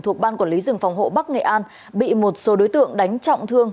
thuộc ban quản lý rừng phòng hộ bắc nghệ an bị một số đối tượng đánh trọng thương